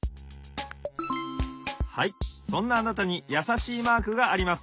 ・はいそんなあなたにやさしいマークがあります。